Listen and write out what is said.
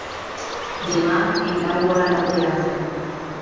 Demà en Grau vol anar al teatre.